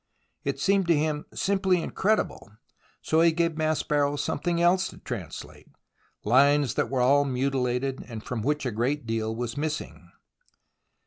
It seemed to him simply incredible, so he gave Maspero something else to translate — lines that were all mutilated and from which a great deal was missing.